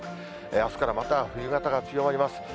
あすからまた冬型が強まります。